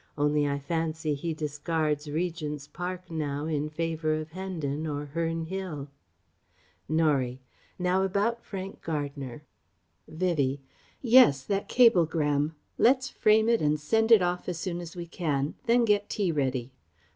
Only, I fancy, he discards Regent's Park now in favour of Hendon or Herne Hill..." Norie: "Now, about Frank Gardner..." Vivie: "Yes, that cablegram.... Let's frame it and send it off as soon as we can; then get tea ready.